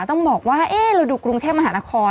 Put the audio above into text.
ต้องบอกว่าเราดูกรุงเทพมหานคร